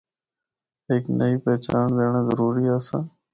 ہک نئی پہچانڑ دینڑا ضروری آسا۔